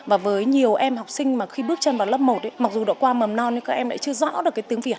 và với nhiều em học sinh mà khi bước chân vào lớp một mặc dù độ qua mầm non nhưng các em lại chưa rõ được cái tiếng việt